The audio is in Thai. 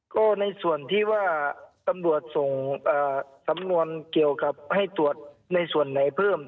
ก็ในส่วนที่ว่าตำรวจส่งสำนวนเกี่ยวกับให้ตรวจในส่วนไหนเพิ่ม